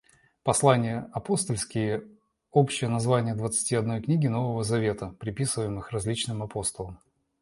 Послания апостольские — общее название двадцати одной книги Нового Завета, приписываемых различным апостолам.